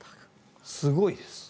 すごいです。